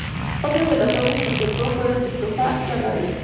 Otras de las obras en las que actuó fueron: El sofá, la radio.